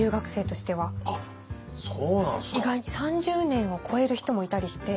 ３０年を超える人もいたりして。